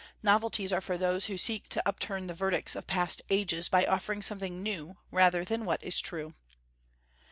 Novelties are for those who seek to upturn the verdicts of past ages by offering something new, rather than what is true.